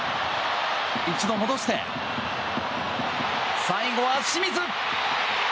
一度戻して、最後は清水！